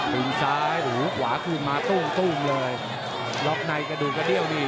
ตูมซ้ายหูหัวขึ้นมาตูมตูมเลยล็อคในกระดูกกระดิ้วดี